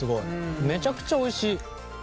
めちゃくちゃおいしい。